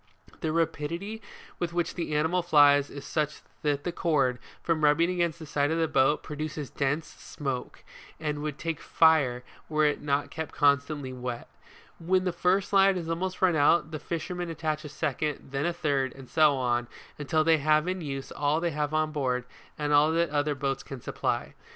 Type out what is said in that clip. The rapidity with which the animal flies is such that the cord, from rubbing against the side of the boat, produces dense smoke, and would take fire were it not kept constantly wet. When the first line has almost run out, the fisherman attach a second, then a third, and so on till they have in use all they have on board, and all that the other boats can supply.